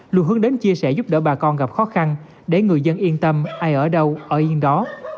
luôn hướng đến chia sẻ giúp đỡ bà con gặp khó khăn để người dân yên tâm ai ở đâu ở yên đó